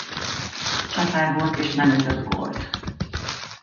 Csatár volt és nem ütött gólt.